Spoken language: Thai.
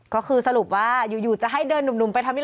ก็คือสรุปว่าอยู่จะให้เดินหนุ่มไปทำที่